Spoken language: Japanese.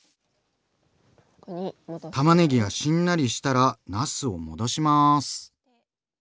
たまねぎがしんなりしたらなすを戻します。